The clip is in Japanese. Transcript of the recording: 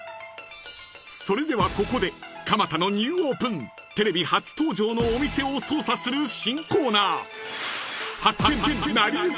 ［それではここで蒲田のニューオープンテレビ初登場のお店を捜査する新コーナー］